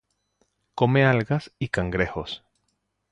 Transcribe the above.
Come algas y cangrejos.